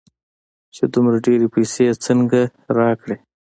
چې دومره ډېرې پيسې يې څنگه راکړې.